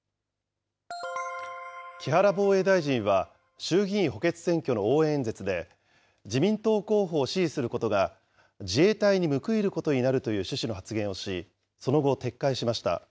木原防衛大臣は、衆議院補欠選挙の応援演説で、自民党候補を支持することが、自衛隊に報いることになるという趣旨の発言をし、その後、撤回しました。